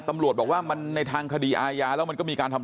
ตำรวจบอกว่ามันในทางคดีอาญาแล้วมันก็มีการทำ